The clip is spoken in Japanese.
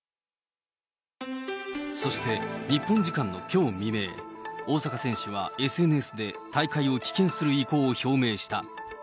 そして、日本時間のきょう未明、大坂選手はＳＮＳで大会を棄権する意向を表明した。